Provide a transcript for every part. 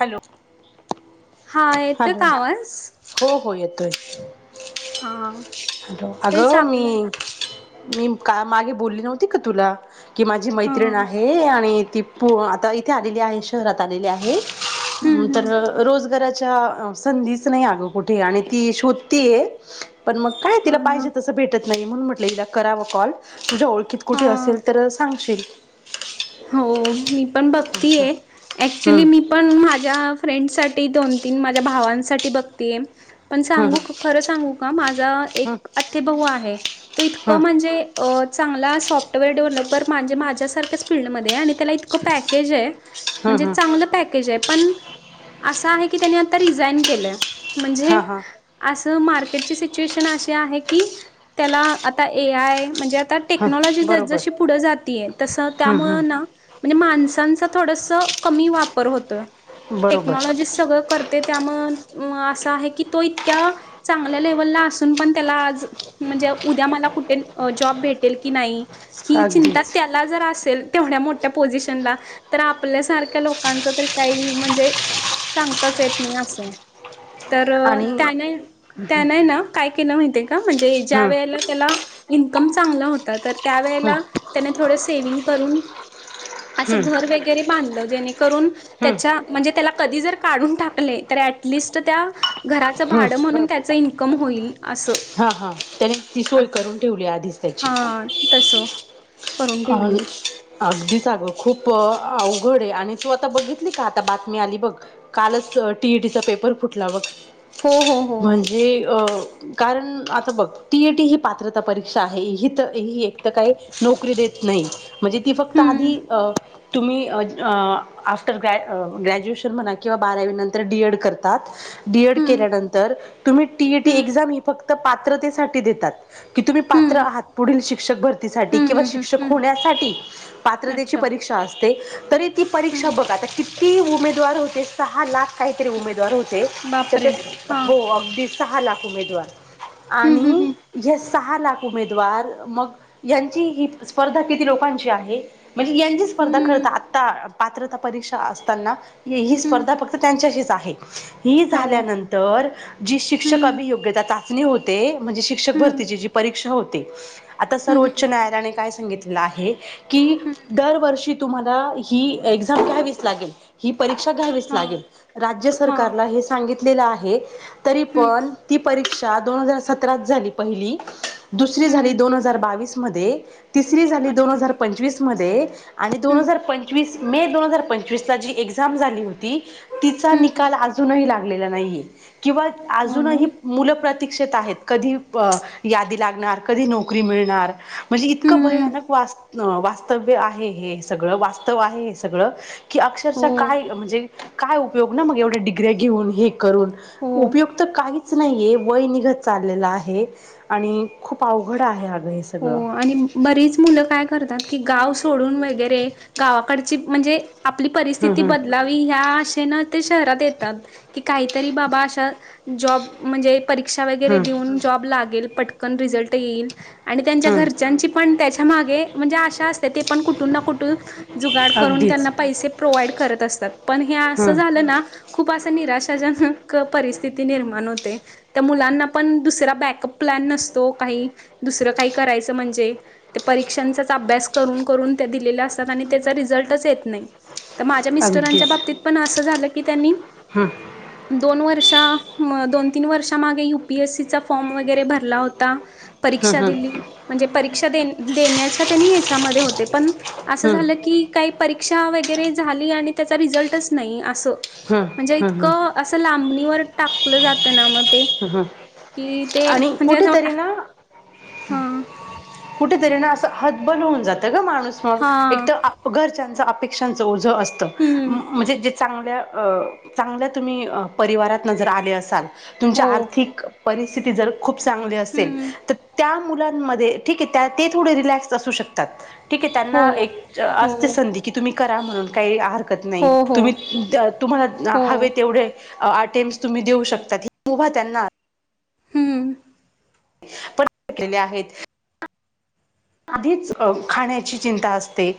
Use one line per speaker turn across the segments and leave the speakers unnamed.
Hello,
हा येतोय
hello.
का आवाज?
हो हो येतोय.
हा
[unintelligible] हॅलो.
तेच
आगं मी
आपलं
मी का मागे बोलली नव्हती का तुला. की, माझी
हा
मैत्रिण आहे आणि ती आता इथे आलेली आहे, शहरात आलेली आहे.
हम्म
तर
हम्म
रोजगारा चा संधीचं नाही आगं, कुठे. आणि ती शोधतीय. पण मग काय,
हा
तिला
ना
पाहिजे तसं भेटत नाही. म्हणून म्हटलं तिला करावं कॉल. तुझ्या ओळखीत
हा
कुठे असेल, तर सांगशील.
हो, मी पण
असं
बघतीय.
हम्म
ऍक्च्युली, मी पण माझा. माझ्या फ्रेंड साठी. दोन-तीन माझ्या भावांसाठी बघतीय. पण
हम्म
सांगू क खरं सांगू का, माझा
हम्म
एक आतेभावू आहे, तो
हम्म
इतकं म्हणजे अ चांगला सॉफ्टवेअर डेव्हल्पर माजे, माजे माझ्यासारख्याच फील्डमध्ये, आणि त्याला इतकं पॅकेजय.
हम्म हम्म
म्हणजे
हम्म
चांगलं पॅकेजय पण, असं आहे की, त्यानी आता रिझाईन केलंय. म्हणजे,
हा हा
अस मार्के सीच्युएशन असे आहे की, त्याला आता ए आय म्हणजे तर
हा
टेक्नॉलॉजी जसं
बरोबर
जशी पुढे जातेय. तस
हम्म
त्यामुळं ना
हम्म
म्हणजे माणसाना आता ता थोडंसं कमी वापर होतयं.
बरोबर
टेकनॉलॉजीच सगळं करत ते. त्यामुळे अस आहे की, तो इतक्या चांगल्या लेवलला असून पनं त्याला आज ज उद्या मला कुठे जॉब भेटेल की नाही? ही चिंता
अगदीच
त्याला जर तेवढ्या मोठ्या पोझिशनला. तर आपल्या सारख्या लोकांच तर काही म्हणजे सांगताच येत नाही असयं. तर
आणि
त्याने त्यानेय ना. काय केलं माहिती का? म्हणजे ज्या
हम्म
वेळेला त्याला इन्कम चांगला होता. तर
हम्म
त्यावेळेला त्याने थोडं सेविंग करून असं
हम्म
घर वगैरे बांधलं. जेणेकरून
हम्म
त्याच्या म्हणजे त्याला कधी जर काढून टाकले. तर ॲटलिस्ट त्या, घराच
हम्म
भाड म्हणून त्याच इन्कम होईल. असं
हा, हा. त्याने ती सोय करून ठेवली आधीच.
हा, तस. करून
[unintelligible] अ
ठेवली
अगदी आगं खूप अवघडय. आणि तू आता बघितली का? आता बातमी आली बघ. कालच टी ई टी चा पेपर फुटला बघ.
हो हो हो
म्हणजे अ कारण आता बघ, टी एटी ही पात्रता परीक्षा आहे. तर ही एक तर काही नोकरी देत नाही म्हणजे ती फक्त
हम्म
आधी अ तुम्ही अ आफ्टर ग्रॅ ग्रॅज्युएशन म्हणा किंवा बारावीनंतर डी. एड. करतात डी. एड.
हम्म
केल्यानंतर, तुम्ही टी ईटी
हम्म
एक्झाम ही फक्त पात्रते देतात. की तुम्ही पात्र
हम्म
आहात, पुढील शिक्षक भरतीसाठी
हम्म
किंवा
हम्म
शिक्ष
हम्म हम्म
हॊण्यासाठी, पात्रतेची
अच्छा
परीक्षा असते. ती. तरी ती परीक्षा
हम्म
बघा आता, किती उमेदवार होते, सहा लाख. काहीतरी उमेदवार होते. तर
बापरे!
त्या
हां.
हो अगदी, सहा लाख उमेदवार.
हं, हं,
आणि
हं.
[unintelligible] सहा लाख उमेदवार. मग यांची ही स्पर्धा, किती लोकांची आहे? म्हणजे यांची स्पर्धा खरं त
हं,
आता पात्रता परीक्षा असताना ही
हं.
स्पर्धा फक्त त्यांच्याशीच. आहे. ही
हो.
झाल्यानंतर, जी शिक्षक
हं,
अभियोग्यता चाचणी होते म्हणजे शिक्षक
हं.
भरतीची जी परीक्षा होते. आता
हं,
सर्वोच्च
हं.
न्यायालयाने काय सांग सांगितलं आहे की,
हं.
दरवर्षी ही एक्झाम तुम्हाला घ्यावीच लागेल. परीक्षा घ्यावीच
हां,
लागेल. राज्य
हां.
सरकारला हे सांगितलेलं आहे तरी
हं,
पण ती परीक्ष दोन हजार सतरात झाली, पहिली. दुसरी झाली,
हं.
दोन हजार बावीस मध्ये तिसरी झाली, दोन हजार
अच्छा.
पंचवीस मध्ये. आणि दोन
हं,
हजार पंचवीस मे दोन हजार पंचवीस जी एक्झाम झाली होती. तिचा
हं.
निकाल अजूनही लागलेला नाहीये. किंवा
हो ना.
अजूनही मुलं प्रतीक्षित आहेत कधी. अ यादी लागणार कधी नोकरी मिळणार म्हणजे इ-
हं.
अ वास्तव्य आहे हे सगळं, वास्तव आहे हे सगळं की,
हो,
अक्षरशः काय म्हणजे काय उपयोग ना मग एवढ्या डिग्र्या घेऊन हे करून
हो.
उपयोग तर काहीच नाहीये वय निघ त चाललेल आहे आणि खूप अवघड आहे अग हे
हो
सगळं.
आणि बरीच मुलं काय करतात की गाव सोडून वगैरे, गावाकडची म्हणजे आपली
हम्
परिस्थिती
हम्
बदलावी ह्या आशेनं ते शहरात येतात कि काहीतरी बाबा अशा. जॉब म्हणजे परीक्षा वगैरे
हम्म
देऊन, जॉब लागेल, पटकन रिझल्ट येईल. आणि त्यांच्या
हम्म
घरच्यांची पण त्याच्या मागे म्हणजे आशा असते ते पण कुठून ना कुठून जुगाड करून
अगदीच
त्यांना पैसे प्रोवाइड करत असतात, पण हे आसं
हम्म
झालं ना खूप आसं निराशाजनक क परिस्थिती निर्माण होते. त्या मुलांना पण दुसरा बॅकअप प्लॅन नसतो, काही दुसरं काही करायचं म्हणजे ते परीक्षांचाच अभ्यास करून करून त्या दिलेल्या असतात आणि तेचा रिझल् लटच येत नाही. त माझ्या मिस्टरांच्या
अगदीच
बाबतीत पण आस झालं की त्यांनी
हम्म
दोन वर्ष दोन, तीन वर्षा मागे यु पी एस सी चा फॉर्म वगैरे भरला होता.
हम्म
परीक्षा
हम्म
दिली म्हणजे परीक्षा दे देण्याच्या त्यांनी हेच्यामध्ये होते पण आसं
हम्म
झालं की, काही परीक्षा वगैरे झाली आणि त्याचा रिझल्टच नाही आसं
हं,
म्हणजे
हं, हं,
इतकं आसं लांबणीवर टाकलं जातं ना मग ते
हं, हं.
कि ते
आणि
म्हणजे आसं
कुठेतरी ना
हां.
अशा तर्हेन आसं हतबल होवून जात गं माणूस म
हा
एक तर घरच्याचं अपेक्षांचं ओझं. झ असतं
हम्म
म्हणजे जिथं चांगल्या अं चांगल्या तुम्ही अं परिवारातनं जर आले असाल तुमच्या
हो
आर्थिक परिस्थिती जर खूप चांगली असेल,
हम्म
तर त्या मुलांमध्ये ठीके त्या ते थोडे रिलॅक्स असू शक तात. ठिकय
हो
त्यांना एक
हो
आसते संधी तुम्ही करा म्हणुन काही हार . कत नाही.
हो हो
तुम्ही द तुम्हाला
हो
हावे तेवढे आटेम्स् तुम्ही देऊ शकता. मुभा त्यांना.
हम्म.
पण [unintelligible] लेले आहेत. आधीच खाण्याची चिंता असते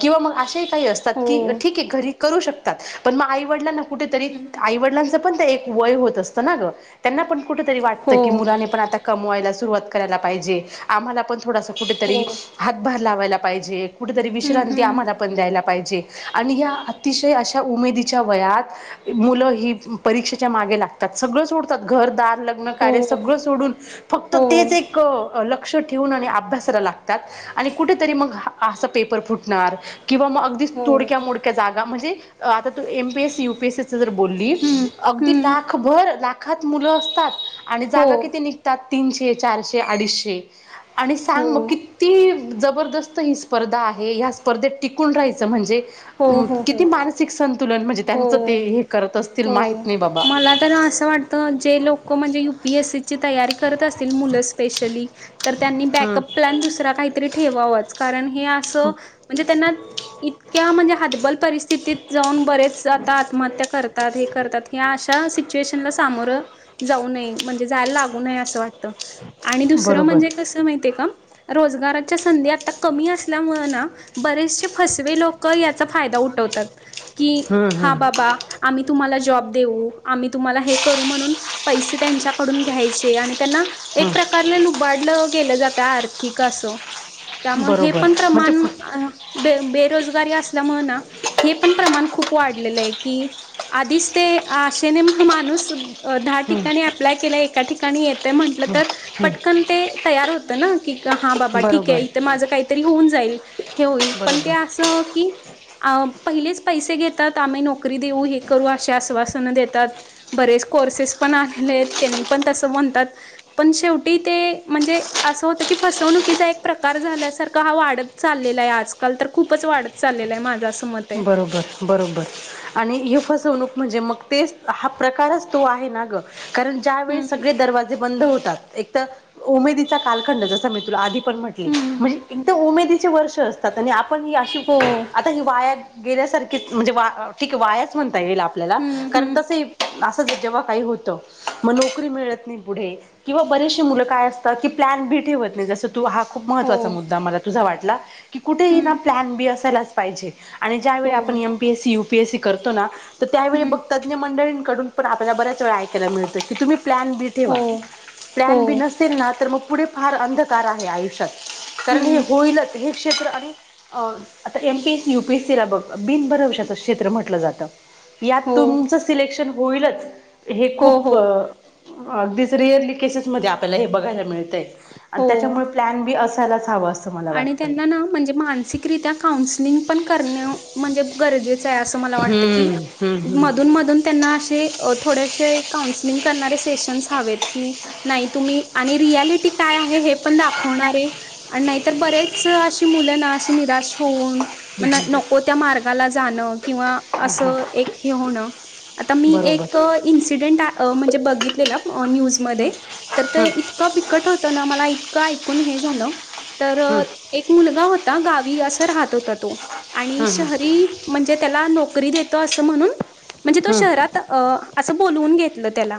किंवा मग असे असतात
हो
की ठीक आहे घरी करू शकतात, पण मग आईवडलांना कुठे तरी
हम्म
आई वडलांच पण ते ए वय होत असत ना ग त्यांना पण कुठ तरी वाटत की,
हो
मुलाने पण आता. कमवायला सुरुवात करायला पाहिजे, आम्हाला पण थोडास कुठेतरी
हो.
हातभार लावायला पाहिजे. कुठेतरी
हम्म
विश्रांती
हम्म.
आम्हाला पण द्यायला पाहिजे आणि हे अतिशय आशा उमेदीच्या वयात मुलं ही परीक्षेच्या मा गे लागतात. सगळं सोडतात घरदार लग्न
हो
कार्य सगळं सोडून फक्त
हो
तेच एक अं लक्ष ठेवून आणि अभ्यास करा लागतात आणि कुठेतरी मग आसा पेपर फुटणार. किंवा मग अगदीच
हो.
थोडक्या मोडक्या जागा, म्हणजे आता तू M P S C, U P S C च जर बोललीस,
हम्म
अगदी
हम्म.
लाखभर लाखात मुलं असतात. आणि
हो
जागा किती निघतात तीनशे, चारशे, अडीचशे. आणि
हो
सांग, मग किती जबरदस्त ही स्पर्धा आहे, ह्या स्पर्धेत टिकून राहायचं म्हणजे.
हो हो हो
किती मानसिक संतुलन म्हणजे त्यांच ते
हो.
हे क
हो मला तर असं वाटत, जे लोक म्हणजे यु पी एस सी ची तयारी करत असत तील मुलं स्पेशली तर त्यांनी
हम्म
बॅकअप प्लॅन दुसरा काहीतरी ठेवावाचं, कारण हे आसं म्हणजे त्यांना इतक्या म्हणजे. हातबल परिस्थितीत जाऊन बरेच आता आत्महत्या करतात हे करतात हे आश शा सिच्युएशन ला सामोर जाऊ नये म्हणजे जायला लागू नये. नये आसं वाटतं आणि दुसरं
बरोबर.
म्हणजे कसय माहितीय का रोजगार च्या संधी आता कमी असल्यामुळं ना बरेचं से फसवे लोकं याचा फायदा उठवतात की
हम्म
हा
हम्म
बाबा आम्ही तुम्हाला जॉ जॉब देऊ, आम्ही तुम्हाला हे करू म्हणून पैसे त्यांच्याडून घ्यायचे आणि त्यांना एक
हम्म
प्रकारले लुबाडलं गेल जातंय आर्थिक आसं. त्यामुळे हे
बरोबर
पण
म्हणजे
प्रमाण
फु-
बेरोजगारी असल्यामुळे ना हे पण प्रमाण खप वाढलेलं आहे की आधीच ते असशेने माणूस दहा
हं,
ठिकाणी अप्लाय केलं एका ठिकाणी येतं म्हंटलं
हं,
तर
हं.
पटकन ते तयार होतं ना की. हा बाबा ठीक आहे
बरोबर
इथं माझं काहीतरी होऊन जाईल हे होईल पण ते
बरोबर
असं की अ पहिलेच पैसे घेत. आमही नोकरी देऊू हे करु असे आश्वासन देतात बरेच कोर्सेस पण आ. पण त म्हणतात पण शेवटी ते म्हणजे असं होत की फसवणुचा एक प्रकार झाला. हा वात चाल आजल तर खूपच वात चालला आहे माझा..
बरोबर बरोबर. आणि ही फसवणूक म्हणजे मग तेच हा प्रकारच तो आहे ना ग. कारण ज्या वेळी
हम्म
सगळे दरवाजे बंद होतात एक तर उमेदीचा कालखंड जस मी तुला आधी. म्हटले
हम्म
म्हणजे उमेदि चे वर्ष असतात आप ही
हो
आशी वाया म्हणजे ठीक आहे वायाच म्हणता येईल आपल्याला
हम्म
कारण
हम्म
तस. जेव्हा काही होत मग नोकरीं मिळत नाही किंवा बरचशी मुलं काय असतात. ठेवत नाही. हा खूप
हो
महत्वाचा मुद्दा मला तुझा वाटला की कुठे
हम्म
ना प्लन बी असायलाच पाहिजे. आणि ज्यावेळी
हो
आपण M, P, S, C, U, P, S, C करतो ना तर त्यावेळी
हम्म
बघतात मंडळी. कडुन पण बऱ्याच वेळा ऐकायला मिळत की तुम्ही. प्लॅन बी ठेवा
हो हो
प्लॅन बी नसेल ना तर मग पुढे फार अंधकार आहे आयुष्यात कारण हे
हम्म
होईलच हे क्षेत्र आणि आता M, P, S C U, P, S, C ला बघ. बिनभरवशाच क्षेत्र म्हटलं जात यात
हो
तुमचं सिलेक्शन होईलच हे
हो हो
खूप अगदीच रिअरली केसेस मध्ये आपल्याला हे बघायला मिळतय. आणि
हो
त्याच्यामुळे प्लॅन बी असायलाच हवा.
आणि त्यांना ना म्हणजे मानसिकरित्या काउन्सलिंग पण करण म्हणजे गरजेच. च्या असं मला वाटतं की
हम्म हम्म हम्म
मधून मधून त्यांना अशी थोडी शि काउन्स करणारे शेशन हवेत की नाही तुम्ही रियलिटी काय आहे तुम्ही- पण दाखवणारे आणि नाहीतर बरेच अशी मुलं ना अशी निराश होऊन. नको त्या मार्गाला जाणं किंवा असं हे होणं.
बरोबर
एक इन्सिडेंट बघितलं म्हणजे ओ न्यूज मध्ये तर ते इतकं पिकट होत ना. मला इतकंक. हे झालं तर
हम्म
एक मुलगा होता गावी अस राहत होता तो. आणि
हम्म
शहरी म्हणजे त्याला नोकरी देतो असं म्हणून. म्हणजे तो
हम्म
शहरात असं बोलवून घेतलं त्याला.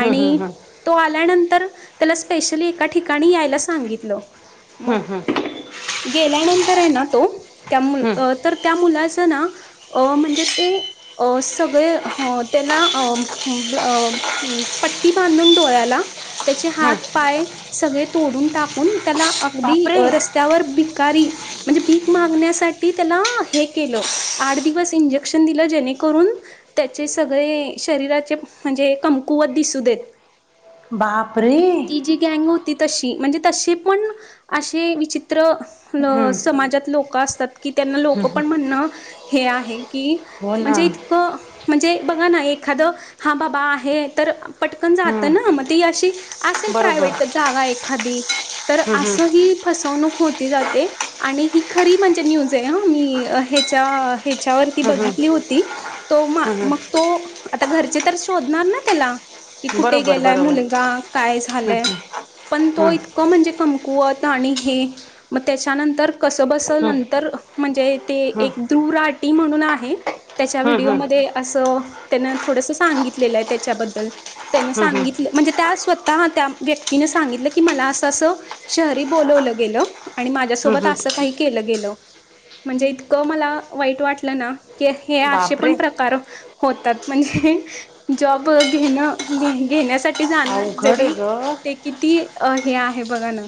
हम्म हम्म
तो आल्यानंतर त्याला. स्पेशली एका ठिकाणी यायला सांगितलं.
हम्म
मग
हम्म.
गेल्यानंतर आहे ना तो त्या
हम्म
तर त्या मुलाच ना अ म्हणजे ते. सगळे त्याला. पट्टी बांधून डोळ्याला त्याचे हात,
हम्म
पाय सगळे. तोडून टाकून त्याला अगदी
बापरे
रस्त्यावर भिकारी म्हणजे भीक मागण्यासाठी त्याला हे केलं आठ दिवस इंजेक्शन दिलं जेणे करून. त्याचे सगळे शरीराचे म्हणजे कमकुवत दिसू देत.
बापरे
ती जी गॅंग होती तशी म्हणजे तसे पण असे विचित्र. विचित्र ल
हम्म
समाजात लोकं असतात की त्यांना लोकं पण म्हणणं हे आहे की.
हो ना
म्हणजे इतकं म्हणजे बघा ना एखादं हा बाबा आहे तर. पटकन
हा
जात ना मग ती अशी असेल जागा
बरोबर
प्रायव्हेट एकादी तर
हं हं
असं. ही फसवणूक होती जाते आणि ही खरी म्हणजे न्यूज मी ह्या. ह्याच्यावरती
हं हं
बघितली होती तो मा
हं
मग
हं
तो आता घरचे तर शोधणार ना? त्याला की कुठे
बरोबर
गेलाय
बरोबर
मुलगा? काय
हं
झालाय? पण तो
हं
इतक म्हणजे कं पत आणि हे मग त्याच्यानंतर कस बसल
हं
नंतर म्हणजे ते
हं हं हं
एक दुराटी म्हणून आहे. त्याच्या
हं
व्हिडिओमध्ये असं त्यान थोडस सांगितलेलं आहे त्याच्याबद्दल. त्यान
हं हं
सांगितलं म्हणजे त्या स्वतः त्या व्यक्तीने सांगितलं की मला असं असं शहरी बोलवलं गेलं आणि
हं
माझ्यासोबत
हं
असं काही केलं गेलं. म्हणजे इतकं मला वाईट वाटलं ना की हे असे पण
बापरे
प्रकार होतात. म्हणजे जॉब घेणं घेण्यासाठी जाणव
अवघड आहे
जरी
ग
ते किती हे आहे बघा ना.